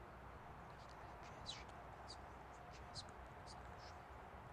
Nicht alle Jazz-Standards wurden von Jazz-Komponisten geschrieben.